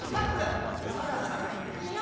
「そろそろいくよー」